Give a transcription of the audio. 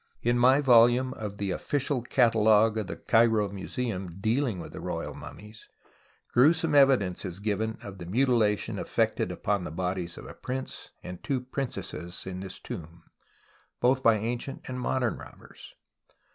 In my volume of the Official Catalogue of the Cairo 3Iuseum, dealing with the royal mummies, gruesome evidence is given of the mutilation effected upon the bodies of a prince and two princesses in this tomb, both by ancient and modern robbers.